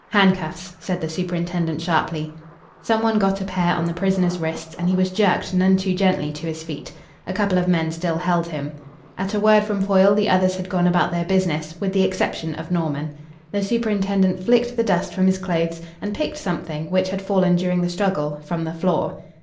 "Handcuffs," said the superintendent sharply. Some one got a pair on the prisoner's wrists, and he was jerked none too gently to his feet. A couple of men still held him. At a word from Foyle the others had gone about their business, with the exception of Norman. The superintendent flicked the dust from his clothes, and picked something, which had fallen during the struggle, from the floor.